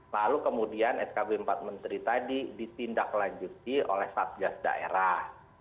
lalu kemudian skb empat menteri tadi ditindaklanjuti oleh satgas daerah